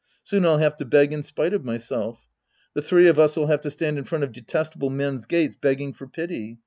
Soon I'll have to beg in spite of my self The three of us'll have to stand in front of detestable men's gates begging for pity.